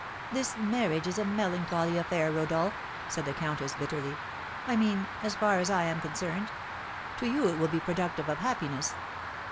"This marriage is a melancholy affair, Rodolph," said the countess, bitterly, "I mean as far as I am concerned; to you it will be productive of happiness."